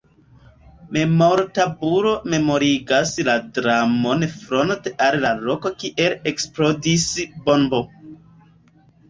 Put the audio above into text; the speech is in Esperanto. Memortabulo memorigas la dramon fronte al la loko kie eksplodis bombo.